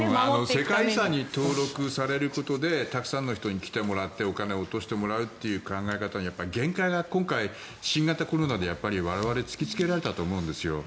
世界遺産に登録されることでたくさんの人に来てもらってお金を落としてもらうという考え方には限界が今回、新型コロナで我々突きつけられたと思うんです。